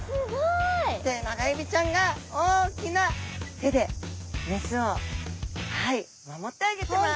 テナガエビちゃんが大きな手で雌を守ってあげてます！